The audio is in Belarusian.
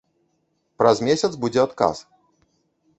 Праз месяц будзе адказ.